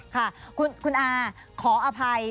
ค่ะคุณอาขออภัย